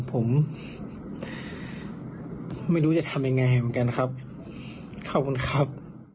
ผมไม่รู้จะทำยังไงเหมือนกันครับขอบคุณครับ